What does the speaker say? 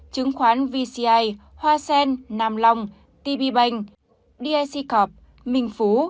chứng khoán vci hoa sen nam long tb banh dic corp minh phú